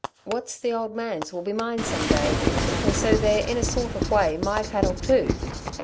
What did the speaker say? "What's the old man's will be mine some day, and so they're in a sort of way my cattle too.